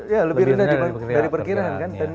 ya lebih rendah dari perkiraan kan